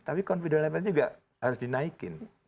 tapi confident levelnya juga harus dinaikin